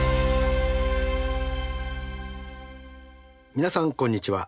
皆さんこんにちは。